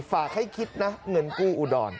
ฝากให้คิดนะเงินกู้อุดร